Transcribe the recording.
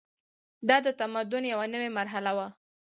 دا د تمدن یوه نوې مرحله وه.